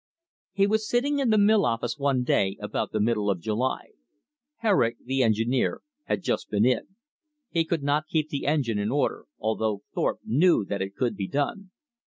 He was sitting in the mill office one day about the middle of July. Herrick, the engineer, had just been in. He could not keep the engine in order, although Thorpe knew that it could be done.